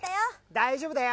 大丈夫だよ。